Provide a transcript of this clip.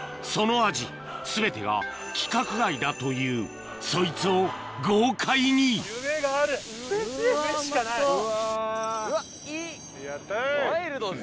その味全てが規格外だというそいつを豪快に夢しかない。